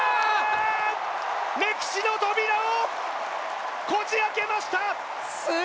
歴史の扉をこじ開けました！